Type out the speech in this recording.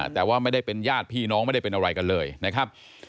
แต่ว่าไม่ได้เป็นญาติพี่น้องไม่ได้เป็นอะไรกันเลยนะครับ